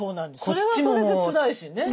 それはそれでつらいしね。